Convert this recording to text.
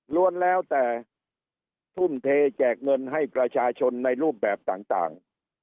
รวมแล้วแต่ทุ่มเทแจกเงินให้ประชาชนในรูปแบบต่าง